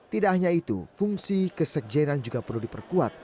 tidak hanya itu fungsi kesekjenan juga perlu diperkuat